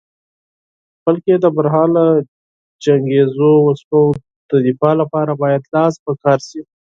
بلکې د برحاله جنګیزو وسلو د دفاع لپاره باید لاس په کار شې.